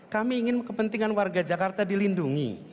kami ingin kepentingan warga jakarta dilindungi